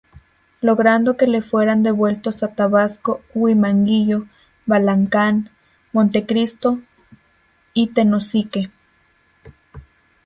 Logrando que le fueran devueltos a Tabasco Huimanguillo, Balancán, Montecristo, y Tenosique.